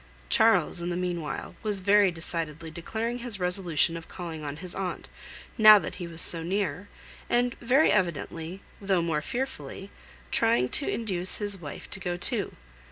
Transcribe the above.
Charles, in the meanwhile, was very decidedly declaring his resolution of calling on his aunt, now that he was so near; and very evidently, though more fearfully, trying to induce his wife to go too.